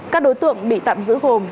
các đối tượng bị tạm giữ gồm